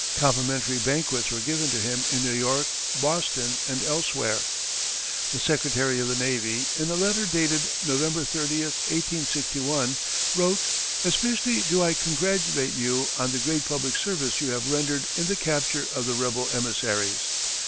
Complimentary banquets were given to him in New York, Boston, and elsewhere. The Secretary of the Navy, in a letter dated November 30, 1861, wrote: "Especially do I congratulate you on the great public service you have rendered in the capture of the rebel emissaries....